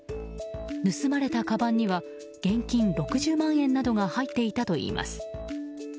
盗まれたかばんには現金６０万円などが入っていたといいます。